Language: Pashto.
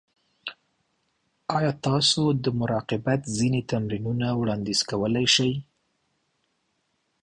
ایا تاسو د مراقبت ځینې تمرینونه وړاندیز کولی شئ؟